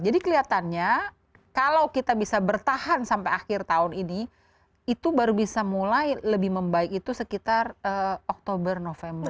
jadi kelihatannya kalau kita bisa bertahan sampai akhir tahun ini itu baru bisa mulai lebih membaik itu sekitar oktober november